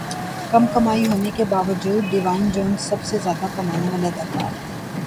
کم کمائی ہونے کے باوجود ڈیوائن جونسن سب سے زیادہ کمانے والے اداکار